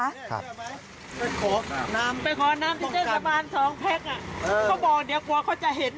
ไปขอน้ำที่เจ้าสามารถ๒แพ็คเขาบอกเดี๋ยวกลัวเขาจะเห็น